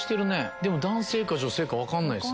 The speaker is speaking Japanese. でも男性か女性か分かんない。